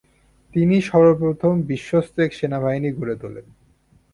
তিনি সর্বপ্রথম বিশ্বস্ত এক সেনাবাহিনী গড়ে তোলেন।